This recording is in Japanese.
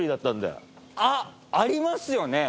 あっありますよね！